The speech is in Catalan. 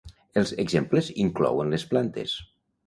Els exemples inclouen les plantes.